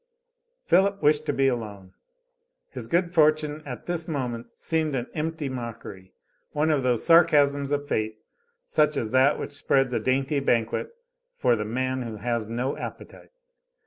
Philip wished to be alone; his good fortune at this moment seemed an empty mockery, one of those sarcasms of fate, such as that which spreads a dainty banquet for the man who has no appetite.